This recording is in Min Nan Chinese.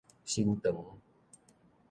新塘